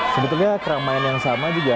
sebetulnya keramaian yang sama juga